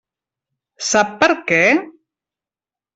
Sap per què?